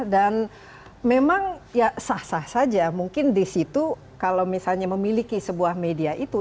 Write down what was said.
dan memang sah sah saja mungkin di situ kalau misalnya memiliki sebuah media itu